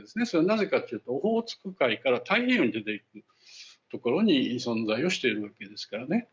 それはなぜかというとオホーツク海から太平洋に出ていくところに存在をしているわけですからね。